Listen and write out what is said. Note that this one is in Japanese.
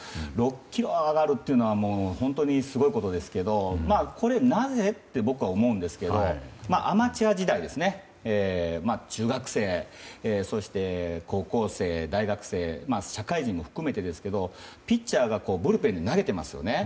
６キロ上がるというのは本当にすごいことですけどこれ、なぜ？と僕は思うんですけどアマチュア時代中学生、そして高校生大学生、社会人も含めてですがピッチャーがブルペンで投げてますよね。